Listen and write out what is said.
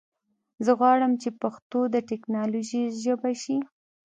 زه غواړم چې پښتو د ټکنالوژي ژبه شي.